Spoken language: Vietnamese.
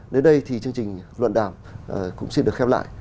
đến đây thì chương trình luận đàm cũng xin được khép lại